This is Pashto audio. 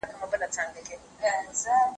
د لمر وړانګې د کوټې ښکلا زیاته کړې وه.